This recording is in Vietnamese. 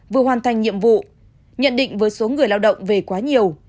vừa hoàn thành nhiệm vụ nhận định với số người lao động về quá nhiều